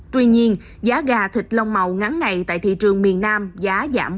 tuy nhiên giá gà thịt lông màu ngắn ngày tại thị trường miền nam giá giảm bốn đồng